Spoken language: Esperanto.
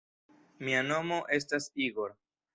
Mia nomo estas Igor.